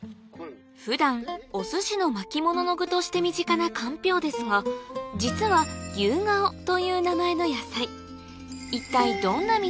普段おすしの巻きものの具として身近なかんぴょうですが実はユウガオという名前の野菜